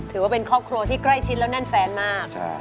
ถือว่าเป็นครอบครัวที่ใกล้ชิดแล้วแน่นแฟนมาก